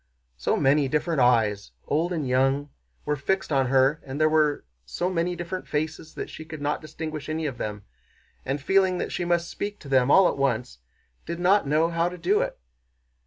So many different eyes, old and young, were fixed on her, and there were so many different faces, that she could not distinguish any of them and, feeling that she must speak to them all at once, did not know how to do it.